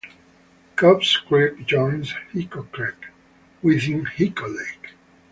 Cobbs Creek joins Hyco Creek within Hyco Lake.